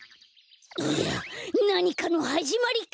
いやなにかのはじまりか！？